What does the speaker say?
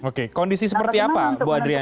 oke kondisi seperti apa bu adrian